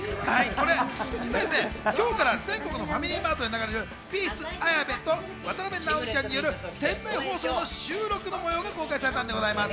今日から全国のファミリーマートで流れるピース・綾部と渡辺直美ちゃんによる店内放送の収録の模様が公開されたんです。